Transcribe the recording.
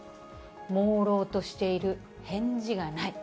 もうろうとしている、返事がない。